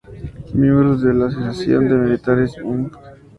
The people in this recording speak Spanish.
Miembros de la Asociación de Militares Inc.